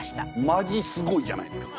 マジすごいじゃないですか。